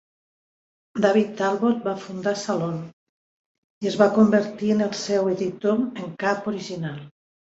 David Talbot va fundar "Salon" i es va convertir en el seu editor en cap original.